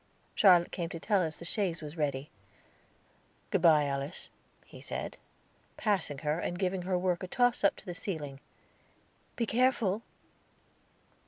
Charlotte came to tell us that the chaise was ready. "Good bye, Alice," he said, passing her, and giving her work a toss up to the ceiling. "Be careful."